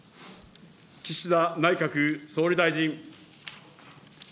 岸田内閣総理大臣。